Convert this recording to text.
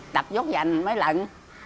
tập giót dành mới lận